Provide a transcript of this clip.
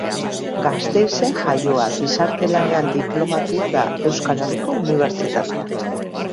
Gasteizen jaioa, Gizarte lanean diplomatua da Euskal Herriko Unibertsitatean.